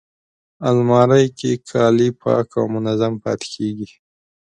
الماري کې کالي پاک او منظم پاتې کېږي